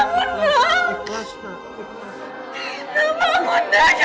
keisha bangun lah